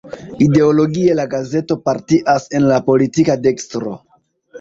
Ideologie la gazeto partias en la politika dekstro.